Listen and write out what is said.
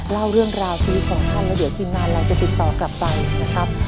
เล่าเรื่องราวชีวิตของท่านแล้วเดี๋ยวทีมงานเราจะติดต่อกลับไปนะครับ